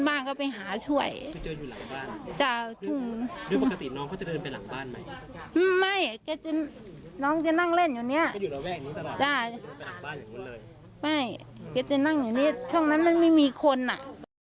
ไม่ไปเตี๋ยวนั่งอย่างนี้ช่วงนั้นมันไม่มีมีคนอะ